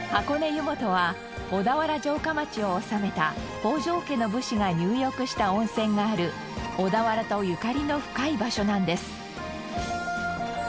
湯本は小田原城下町を治めた北条家の武士が入浴した温泉がある小田原とゆかりの深い場所なんです。